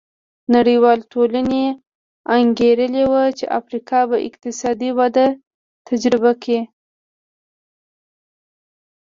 نړیوالې ټولنې انګېرلې وه چې افریقا به اقتصادي وده تجربه کړي.